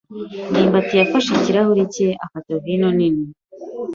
ndimbati yafashe ikirahure cye afata vino nini.